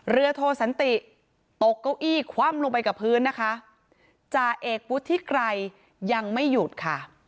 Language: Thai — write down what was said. โทสันติตกเก้าอี้คว่ำลงไปกับพื้นนะคะจ่าเอกวุฒิไกรยังไม่หยุดค่ะ